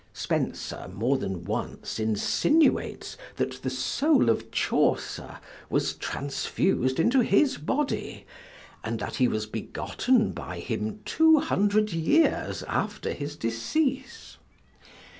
Spenser more than once insinuates that the soul of Chaucer was transfus'd into his body, and that he was begotten by him two hundred years after his decease.